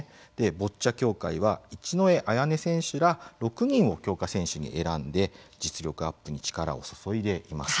ボッチャ協会は一戸彩音選手ら６人を強化選手に選んで実力アップに力を注いでいます。